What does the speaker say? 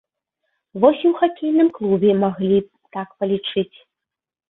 Вось і ў хакейным клубе маглі так палічыць.